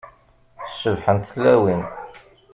Cebḥent tlawin.